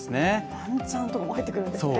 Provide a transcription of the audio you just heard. ワンチャンとかも入ってくるんですね。